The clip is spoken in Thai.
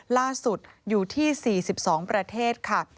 ล่าสุดอยู่ที่๔๒ประเทศค่ะ